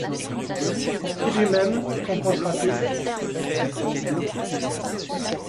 Et lui-même, qu’en pensera-t-il ?